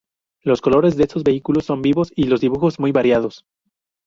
Los colores de estos vehículos son vivos y los dibujos muy variados.